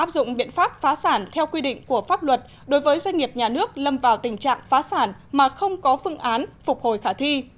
sáu đối với doanh nghiệp nhà nước lâm vào tình trạng phá sản mà không có phương án phục hồi khả thi